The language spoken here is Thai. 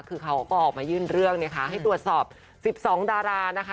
คือเขาก็ออกมายื่นเรื่องนะคะให้ตรวจสอบ๑๒ดารานะคะ